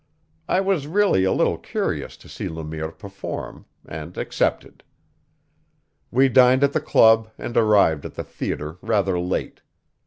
I was really a little curious to see Le Mire perform and accepted. We dined at the club and arrived at the theater rather late.